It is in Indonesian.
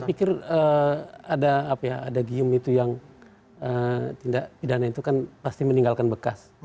saya pikir ada apa ya ada gium itu yang tindak pidana itu kan pasti meninggalkan bekas